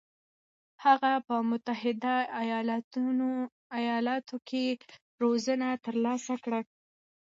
هغه په متحده ایالاتو کې روزنه ترلاسه کړه.